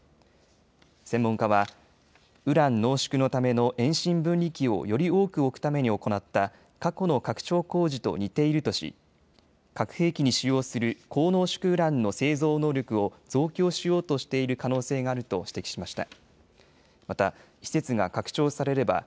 専門家はウラン濃縮のための遠心分離機をより多く置くために行った過去の拡張工事と似ているとし核兵器に使用する高濃縮ウランの製造能力を増強しようとしている可能性があると指摘しました。